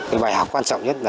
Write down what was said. vậy là quan trọng nhất